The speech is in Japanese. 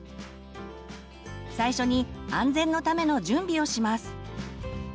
最初に安全のための準備をします。